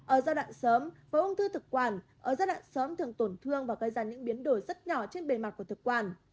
ở giai đoạn sớm với ung thư thực quản giai đoạn sớm thường tổn thương và gây ra những biến đổi rất nhỏ trên bề mặt của thực quản